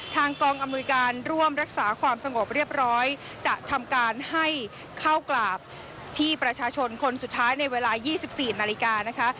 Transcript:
ทางกองอำนวยการร่วมรักษาความสงบเรียบร้อยจะทำการให้เข้ากราบที่ประชาชนคนสุดท้ายในเวลา๒๔นาฬิกานะคะ